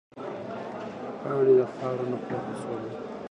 پاڼې د خاورو نه پورته شولې.